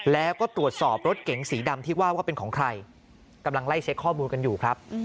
แล้วก็ตรวจสอบรถเก๋งสีดำที่ว่าว่าเป็นของใครกำลังไล่เช็คข้อมูลกันอยู่ครับ